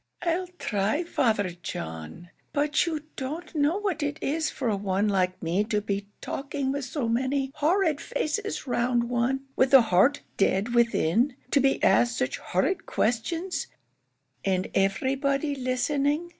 "I'll try, Father John. But you don't know what it is for one like me to be talking with so many horrid faces round one with the heart dead within to be asked such horrid questions, and everybody listening.